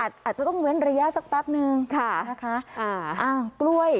อาจจะต้องเว้นระยะสักแป๊บนึงค่ะนะคะอ่าอ้าวกล้วย